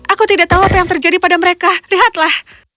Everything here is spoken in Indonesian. aku tidak tahu apa yang terjadi pada mereka lihatlah